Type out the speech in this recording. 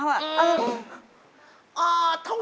เอ่อถวายบาง